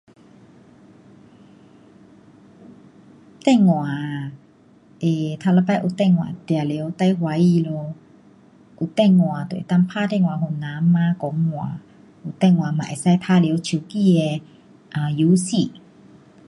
电话啊，um 第一次有电话，当然最欢喜咯。有电话就能够打电话给人嘛，讲话，有电话也能够玩耍手机的 um 游戏。